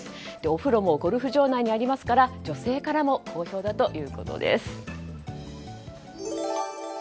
お風呂もゴルフ場内にありますから女性からも好評だということです。